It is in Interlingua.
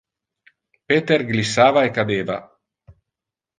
Peter glissava e cadeva